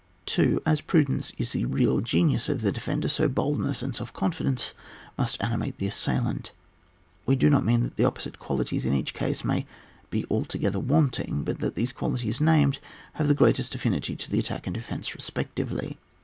2. As prudence is the real genius of the defender, so boldness and self confi dence must animate the assailant. We do not mean that the opposite qualities in each Case may be altogether wanting, but that the qualities named have the greatest affinity to the attack and defence respectively.